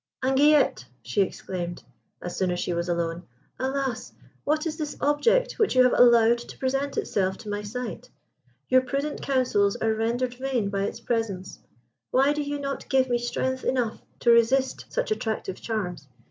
"Anguillette!" she exclaimed, as soon as she was alone. "Alas! what is this object which you have allowed to present itself to my sight? Your prudent counsels are rendered vain by its presence. Why do you not give me strength enough to resist such attractive charms?